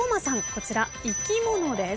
こちら生き物です。